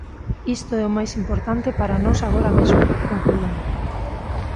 Isto é o máis importante para nós agora mesmo, conclúen.